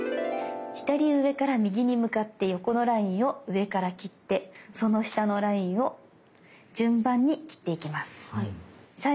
左上から右に向かって横のラインを上から切ってその下のラインを順番に切っていきます。